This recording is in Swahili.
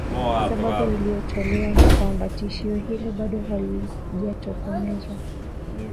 sababu iliyotolewa ni kwamba tishio hilo bado halijatokomezwa